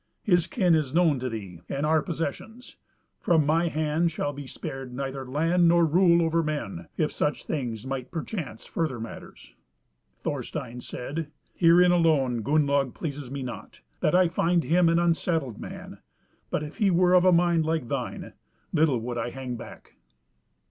His kin is known to thee, and our possessions; from my hand shall be spared neither land nor rule over men, if such things might perchance further matters." Thorstein said, "Herein alone Gunnlaug pleases me not, that I find him an unsettled man; but if he were of a mind like thine, little would I hang back."